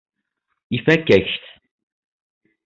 Ifakk-ak-t.